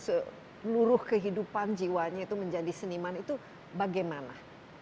dan itu memang mendedikasikan seluruh kehidupan jiwanya itu menjadi seniman itu bagaimana